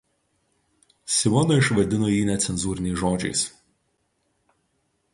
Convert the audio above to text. Simona išvadino jį necenzūriniais žodžiais